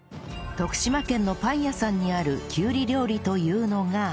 徳島県のパン屋さんにあるきゅうり料理というのが